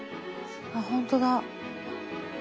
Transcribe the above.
あっほんとだ。